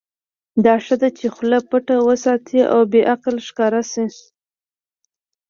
دا ښه ده چې خوله پټه وساتې او بې عقل ښکاره شې.